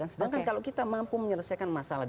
sedangkan kalau kita mampu menyelesaikan masalah